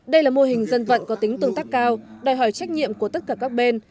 đây là mô hình dân vận có tính tương tác cao đòi hỏi trách nhiệm của tất cả các bên